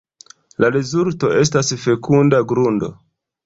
La rezulto estas fekunda grundo.